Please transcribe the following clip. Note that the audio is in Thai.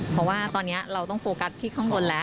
เพราะว่าตอนนี้เราต้องโฟกัสที่ข้างบนแล้ว